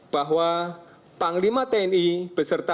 bahwa panglima tni berangkat ke amerika serikat